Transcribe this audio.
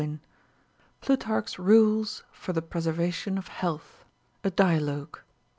PLUTAHCH'S IIULES FOR THE PRESERVATION OF HEALTH. A DIALOGUE.